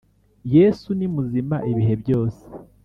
yesu ni muzima ibihe byose